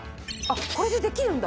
これでできるんだ。